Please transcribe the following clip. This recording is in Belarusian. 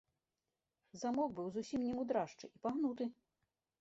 Замок быў зусім немудрашчы і пагнуты.